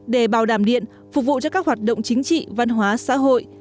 để bảo đảm điện phục vụ cho các hoạt động chính trị văn hóa xã hội